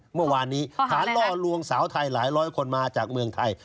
เมื่อวานนี้ฐานล่อลวงสาวไทยหลายร้อยคนมาจากเมืองไทย